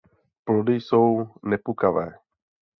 Plody jsou nepukavé.